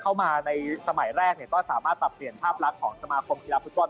เข้ามาในสมัยแรกก็สามารถตักเปลี่ยนชาพรักของสมาคมธุรกร